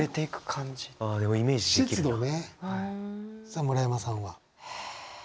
さあ村山さんは？え。